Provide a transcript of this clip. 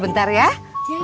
mak emang ke rumah